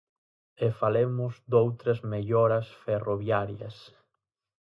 E falemos doutras melloras ferroviarias.